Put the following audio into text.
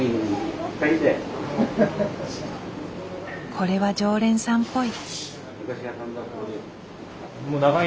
これは常連さんっぽい。